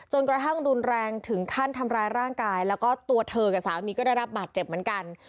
กระทั่งรุนแรงถึงขั้นทำร้ายร่างกายแล้วก็ตัวเธอกับสามีก็ได้รับบาดเจ็บเหมือนกัน